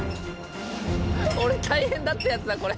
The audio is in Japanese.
大変だったやつだこれ。